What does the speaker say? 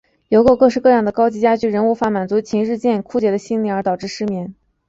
邮购各式各样的高级家具仍无法满足其日渐枯竭的心灵而导致失眠。